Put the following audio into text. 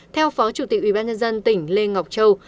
theo phó chủ tịch ubnd tỉnh lê ngọc châu